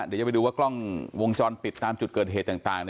เดี๋ยวจะไปดูว่ากล้องวงจรปิดตามจุดเกิดเหตุต่าง